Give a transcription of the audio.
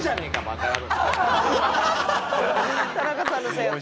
田中さんのせいやった。